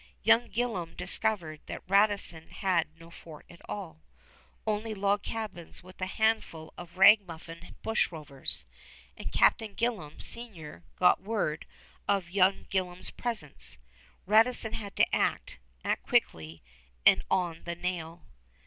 Young Gillam discovered that Radisson had no fort at all, only log cabins with a handful of ragamuffin bushrovers; and Captain Gillam senior got word of young Gillam's presence. Radisson had to act, act quickly, and on the nail.